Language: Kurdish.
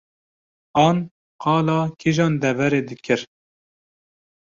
an qala kîjan deverê dikir